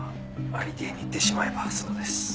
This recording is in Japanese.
有り体に言ってしまえばそうです。